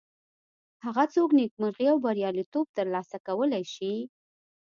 هغه څوک نیکمرغي او بریالیتوب تر لاسه کولی شي.